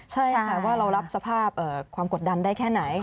ใช่ค่ะว่าเรารับสภาพความกดดันได้แค่ไหน